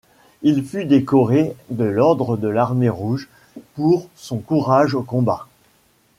Il fut décoré de l'ordre de l'Armée rouge pour son courage au combat.